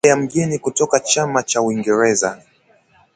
mbele ya mgeni kutoka chama cha Uingereza